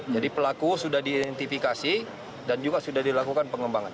jadi pelaku sudah diidentifikasi dan juga sudah dilakukan pengembangan